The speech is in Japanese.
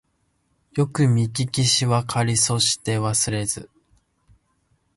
よくみききしわかりそしてわすれず